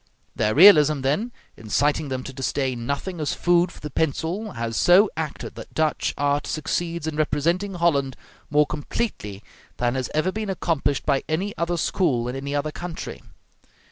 Their realism, then, inciting them to disdain nothing as food for the pencil, has so acted that Dutch art succeeds in representing Holland more completely than has ever been accomplished by any other school in any other country.